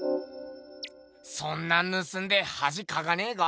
そんなんぬすんではじかかねぇか？